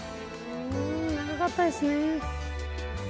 うん長かったですね。